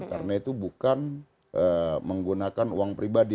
karena itu bukan menggunakan uang pribadi